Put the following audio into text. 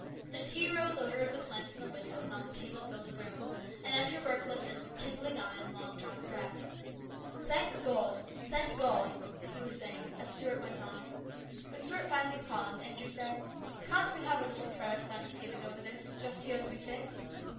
The tea rose odour of the plants in the window and on the table filled the room, and Andrew Burke listened with kindling eye and long drawn breath. " Thank God ! Thank God !" he was saying as Stuart went on. When Stuart finally paused, Andrew said, " Can't we have a little prayer of thanksgiving over this, just here as we sit